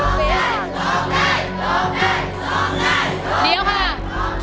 ร้องได้มีไหม